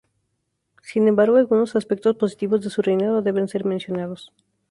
Sin embargo, algunos aspectos positivos de su reinado deben ser mencionados.